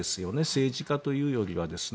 政治家というよりは。